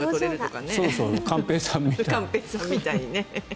寛平さんみたいにね。